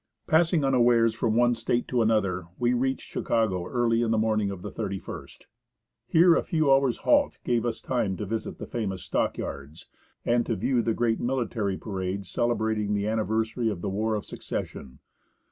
Passing unawares from one State to another, we reached Chicago early in the morning of the 31st. Here a few hours' halt gave us time to visit the famous " Stock Yards," and to view the great military parade celebrating the anniversary of the War of Secession.